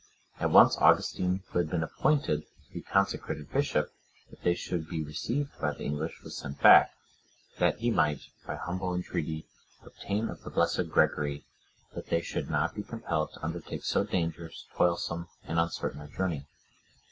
At once Augustine, who had been appointed to be consecrated bishop, if they should be received by the English, was sent back, that he might, by humble entreaty, obtain of the blessed Gregory, that they should not be compelled to undertake so dangerous, toilsome, and uncertain a journey.